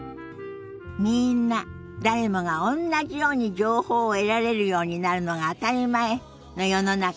みんな誰もがおんなじように情報を得られるようになるのが当たり前の世の中にならなきゃね。